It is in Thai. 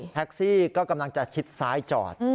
แท็กซี่ก็กำลังจะชิดซ้ายจอด